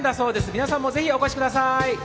皆さんもぜひお越しください。